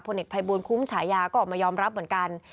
เอกภัยบูลคุ้มฉายาก็ออกมายอมรับเหมือนกัน